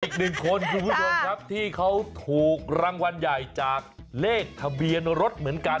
อีกหนึ่งคนคุณผู้ชมครับที่เขาถูกรางวัลใหญ่จากเลขทะเบียนรถเหมือนกัน